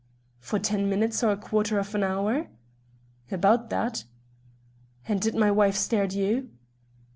"For ten minutes or a quarter of an hour?" "About that." "And did my wife stare at you?"